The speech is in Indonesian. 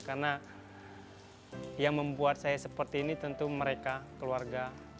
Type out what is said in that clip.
karena yang membuat saya seperti ini tentu mereka keluarga